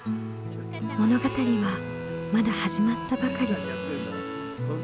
物語はまだ始まったばかり。